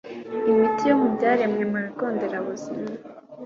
Imiti yo mu Byaremwe mu Bigo Nderabuzima